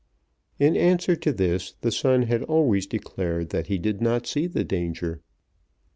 In answer to this the son had always declared that he did not see the danger.